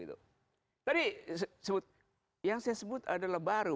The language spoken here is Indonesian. tadi yang saya sebut adalah baru